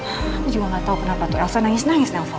aku juga gak tahu kenapa tuh elsa nangis nangis nelfon